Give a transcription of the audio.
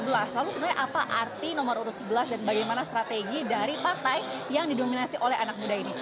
lalu sebenarnya apa arti nomor urut sebelas dan bagaimana strategi dari partai yang didominasi oleh anak muda ini